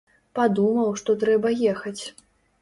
Падумаў, што трэба ехаць.